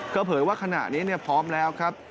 ก็เผยว่าขณะนี้พร้อมแล้วครับ